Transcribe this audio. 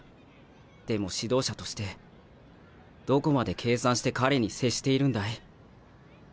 でも指導者としてどこまで計算して彼に接しているんだい？